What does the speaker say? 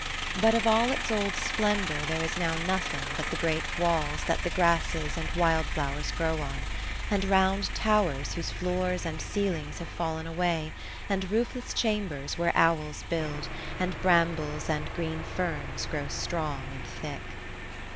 But of all its old splendour there is now nothing but the great walls that the grasses and wild flowers grow on, and round towers whose floors and ceilings have fallen away, and roofless chambers where owls build, and brambles and green ferns grow strong and thick.